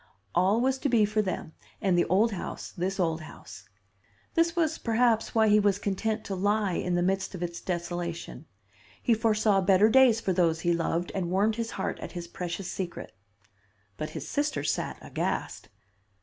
All was to be for them and the old house, this old house. This was perhaps why he was content to lie in the midst of its desolation. He foresaw better days for those he loved, and warmed his heart at his precious secret. "But his sister sat aghast.